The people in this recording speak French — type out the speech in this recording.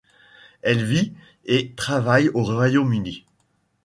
Elle vit et travaille au Royaume-Uni.